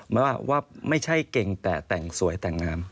ไม่ว่าไม่ใช่เก่งแต่แต่งสวยแต่งงาม